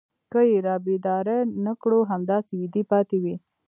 که يې رابيدارې نه کړو همداسې ويدې پاتې وي.